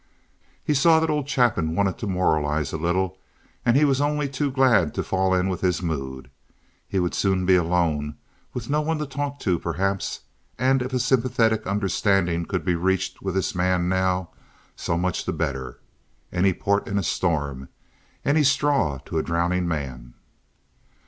He saw that old Chapin wanted to moralize a little, and he was only too glad to fall in with his mood. He would soon be alone with no one to talk to perhaps, and if a sympathetic understanding could be reached with this man now, so much the better. Any port in a storm; any straw to a drowning man.